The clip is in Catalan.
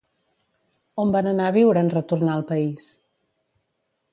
On van anar a viure en retornar al país?